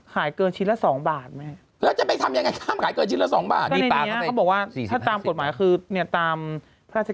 ขายเกินให้ซ้ำต้องบาทมีขายเกินให้แกบอกว่าจะตามกฎหมายคือเนียตามประชา